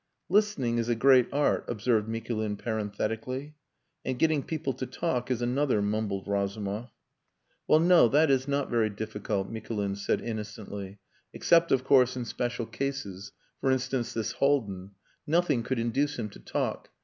"Listening is a great art," observed Mikulin parenthetically. "And getting people to talk is another," mumbled Razumov. "Well, no that is not very difficult," Mikulin said innocently, "except, of course, in special cases. For instance, this Haldin. Nothing could induce him to talk.